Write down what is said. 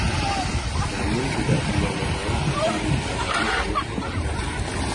Namun, tidak semua masalah akan ditangani oleh komandan.